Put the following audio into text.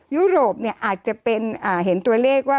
ยุโรปอาจจะเป็นเห็นตัวเลขว่า